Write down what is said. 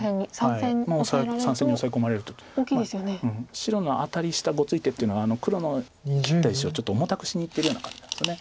白のアタリしたごつい手っていうのは黒の切った石をちょっと重たくしにいってるような感じなんです。